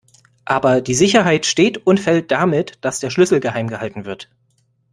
Aber die Sicherheit steht und fällt damit, dass der Schlüssel geheim gehalten wird.